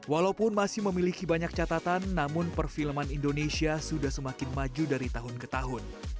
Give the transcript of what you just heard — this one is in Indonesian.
walaupun masih memiliki banyak catatan namun perfilman indonesia sudah semakin maju dari tahun ke tahun